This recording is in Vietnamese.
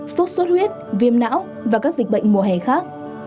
sốt xuất huyết viêm não và các dịch bệnh mùa hè khác